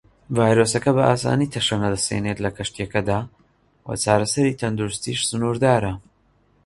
ڤایرۆسەکە بە ئاسانی تەشەنە دەستێنێت لە کەشتییەکەدا وە چارەسەری تەندروستیش سنوردارە.